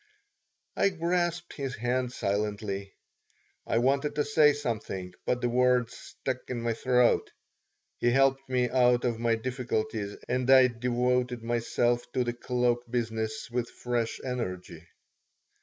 I grasped his hand silently. I wanted to say something, but the words stuck in my throat. He helped me out of my difficulties and I devoted myself to the cloak business with fresh energy.